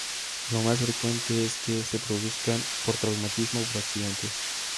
Lo más frecuente es que se produzcan por traumatismo o por accidentes.